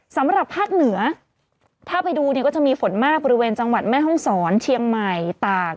สำหรับภาคเหนือถ้าไปดูเนี่ยก็จะมีฝนมากบริเวณจังหวัดแม่ห้องศรเชียงใหม่ตาก